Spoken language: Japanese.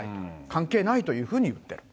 関係ないというふうに言ってる。